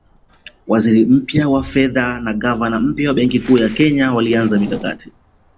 Waziri mpya wa fedha na gavana mpya wa Benki Kuu ya Kenya walianza mikakati